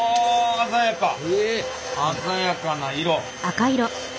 鮮やかな色！